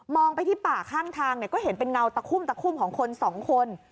ไปที่ป่าข้างทางเนี่ยก็เห็นเป็นเงาตะคุ่มตะคุ่มของคนสองคน